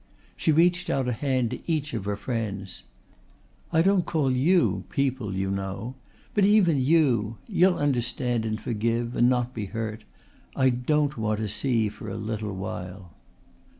She reached out a hand to each of her friends. "I don't call you people, you know. But even you you'll understand and forgive and not be hurt I don't want to see for a little while."